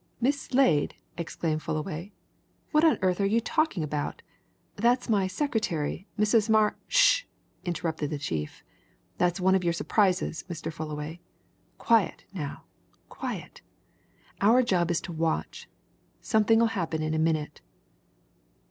"Miss Slade!" exclaimed Fullaway. "What on earth are you talking about? That's my secretary, Mrs. Mar " "Sh!" interrupted the chief. "That's one of your surprises, Mr. Fullaway! Quiet, now, quiet. Our job is to watch. Something'll happen in a minute."